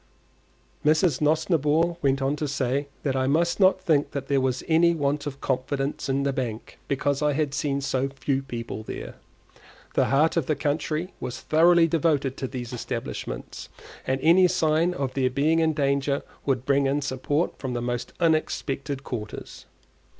Mrs. Nosnibor went on to say that I must not think there was any want of confidence in the bank because I had seen so few people there; the heart of the country was thoroughly devoted to these establishments, and any sign of their being in danger would bring in support from the most unexpected quarters.